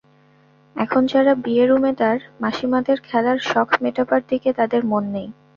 এখন যারা বিয়ের উমেদার, মাসিমাদের খেলার শখ মেটাবার দিকে তাদের মন নেই।